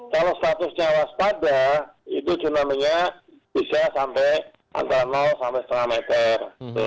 kalau statusnya waspada itu tsunami nya bisa sampai antara sampai setengah meter